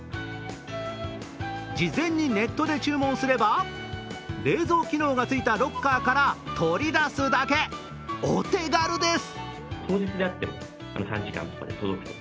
事前にネットで注文すれば冷蔵機能がついたロッカーから取り出すだけ、お手軽です。